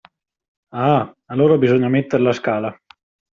Ah, allora bisogna metter la scala.